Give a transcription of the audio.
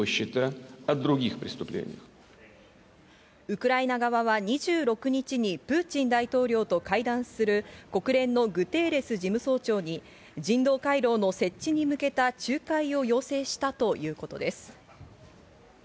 ウクライナ側は２６日にプーチン大統領と会談する国連のグテーレス事務総長に人道回廊の設置に向けた仲介を要請したということです。